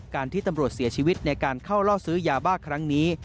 ที่ตำรวจเสียชีวิตในการเข้าล่อซื้อยาบ้าครั้งนี้